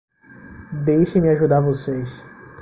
Deixe-me ajudar vocês.